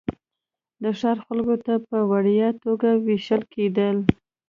د ښار خلکو ته په وړیا توګه وېشل کېدل.